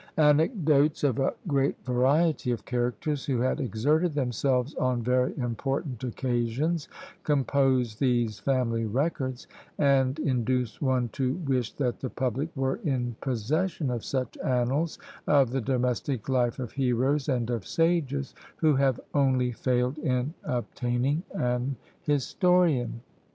Anecdotes of a great variety of characters, who had exerted themselves on very important occasions, compose these family records and induce one to wish that the public were in possession of such annals of the domestic life of heroes and of sages, who have only failed in obtaining an historian!